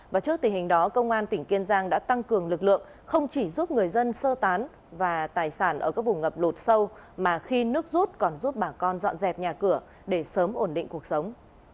và trước tình hình đó công an tỉnh kiên giang đã tăng cường lực lượng không chỉ giúp người dân sơ tán và tài sản ở các vùng ngập lột sâu mà khi nước rút còn giúp bà con dọn dẹp nhà cửa để sớm ổn định cuộc sống